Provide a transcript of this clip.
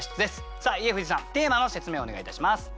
さあ家藤さんテーマの説明をお願いいたします。